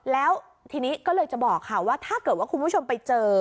แล้วทีนี้ก็เลยจะบอกค่ะว่าถ้าเกิดว่าคุณผู้ชมไปเจอ